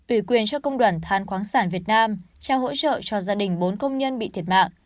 ủy quyền cho công đoàn than khoáng sản việt nam trao hỗ trợ cho gia đình bốn công nhân bị thiệt mạng